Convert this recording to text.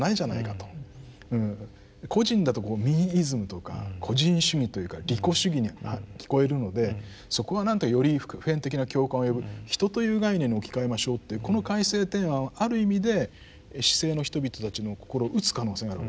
「個人」だとこうミーイズムとか個人主義というか利己主義に聞こえるのでそこは何かより普遍的な共感を呼ぶ「人」という概念に置き換えましょうというこの改正提案はある意味で市井の人々たちの心を打つ可能性があるわけですね。